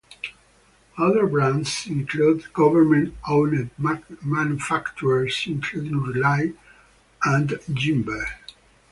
Other brands include government owned manufacturers including Rely and Jinbei.